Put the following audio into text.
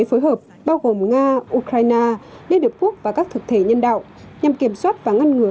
phối hợp bao gồm nga ukraine liên hợp quốc và các thực thể nhân đạo nhằm kiểm soát và ngăn ngừa